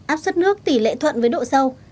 áp suất nước tỷ lệ thuận với độ sâu